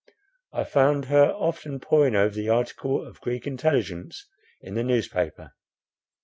I found her often poring over the article of Greek intelligence in the newspaper.